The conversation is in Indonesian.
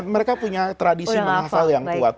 mereka punya tradisi menghafal yang kuat